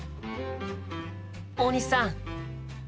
大西さん！